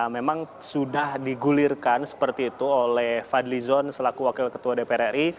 memang sudah digulirkan seperti itu oleh fadli zon selaku wakil ketua dpr ri